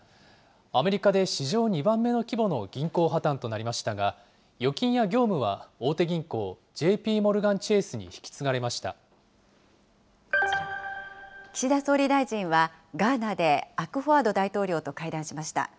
アメリカで史上２番目の規模の銀行破綻となりましたが、預金や業務は大手銀行、ＪＰモルガン・チェースに引き継がれまし岸田総理大臣は、ガーナでアクフォアド大統領と会談しました。